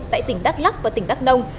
tại tỉnh đắk lắk và tỉnh đắk nông